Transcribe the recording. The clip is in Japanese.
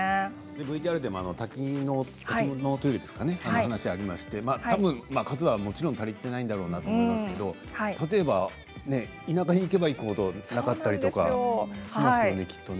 ＶＴＲでも多機能トイレの話がありましてもちろん数は足りてないんだろうなと思いますけど例えば田舎に行けば行くほどなかったりとかですよね。